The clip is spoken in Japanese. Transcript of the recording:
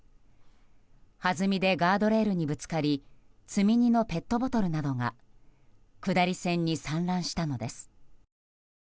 弾みでガードレールにぶつかり積み荷のペットボトルなどが下り線に散乱したのです。